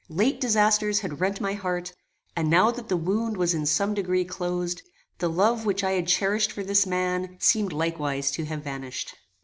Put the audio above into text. Late disasters had rent my heart, and now that the wound was in some degree closed, the love which I had cherished for this man seemed likewise to have vanished.